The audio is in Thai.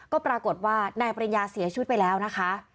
ก็ปรากฏว่านายปริญญาเสียชีวิตไปแล้วนะคะ